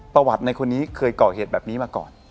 ประวัติในคนนี้เคยก่อเหตุแบบนี้มาก่อน